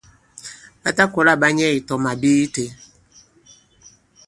Ɓa ta kɔla ɓa nyɛ ki tɔ màbi itē.